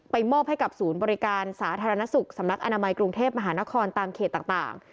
มอบให้กับศูนย์บริการสาธารณสุขสำนักอนามัยกรุงเทพมหานครตามเขตต่าง